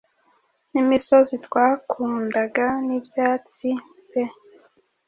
N'imisozi twakundaga n'ibyatsi pe